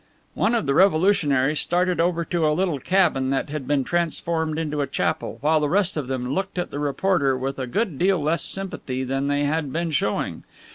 One of the revolutionaries started over to a little cabin that had been transformed into a chapel, while the rest of them looked at the reporter with a good deal less sympathy than they had been showing.